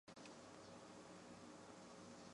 有媒体报道其中一张照片的肖像疑似陈静仪。